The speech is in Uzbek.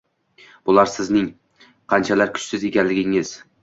Bular sizning qanchalar kuchsiz ekanligingiz